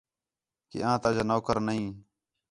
کہ آں تا جا نوکر نہیں